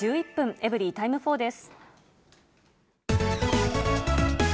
エブリィタイム４です。